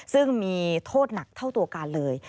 ซึ่งมีโทษหนักเท่าตัวการเลย